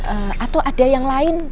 atau ada yang lain